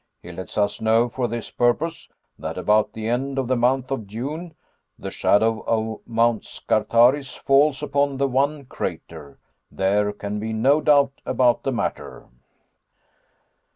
He lets us know, for this purpose, that about the end of the month of June, the shadow of Mount Scartaris falls upon the one crater. There can be no doubt about the matter."